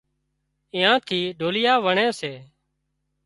ايئان ٿِي ڍوليئا وڻي سي